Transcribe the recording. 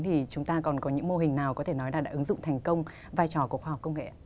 thì chúng ta còn có những mô hình nào có thể nói là đã ứng dụng thành công vai trò của khoa học công nghệ ạ